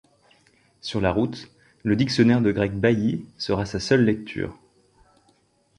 Sur la route, le dictionnaire de grec Bailly sera sa seule lecture.